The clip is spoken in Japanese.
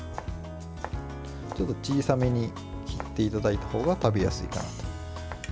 ちょっと小さめに切っていただいた方が食べやすいかなと。